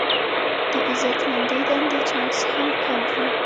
د عزتمندې دندې چانس هم کم و.